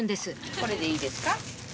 これでいいですか？